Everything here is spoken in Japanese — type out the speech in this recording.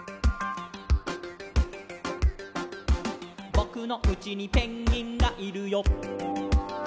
「ぼくのうちにペンギンがいるよ」